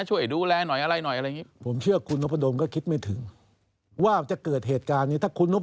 ช่วยดูแลหน่อยอะไรอะไรงี้